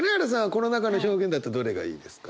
この中の表現だとどれがいいですか？